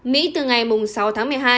mỹ từ ngày sáu tháng một mươi hai